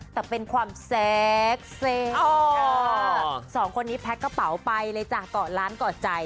แต่เป็นความแซ็กซัก